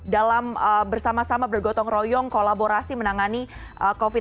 dalam bersama sama bergotong royong kolaborasi menangani masyarakat